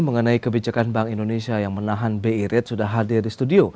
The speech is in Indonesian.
mengenai kebijakan bank indonesia yang menahan bi rate sudah hadir di studio